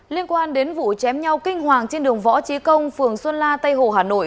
liên quan đến vụ chém nhau kinh hoàng trên đường võ trí công phường xuân la tây hồ hà nội